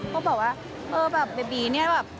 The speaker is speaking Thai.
ก็บอกว่าเออแบบเบบีเนี่ยแบบ